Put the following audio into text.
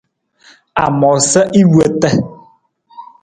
A moosa i wota.